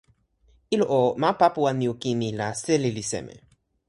ilo o, ma Papuwanijukini la seli li seme?